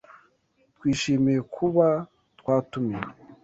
Twishimiye kuba twatumiwe.